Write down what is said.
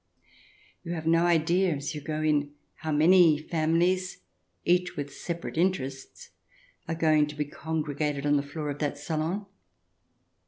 You have no idea as you go in how many families, each with separate interests, are going to be congregated on the floor of that salon.